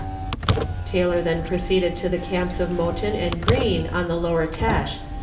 Taylor then proceeded to the camps of Mouton and Green, on the lower Têche.